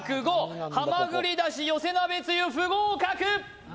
はまぐりだし寄せ鍋つゆ不合格！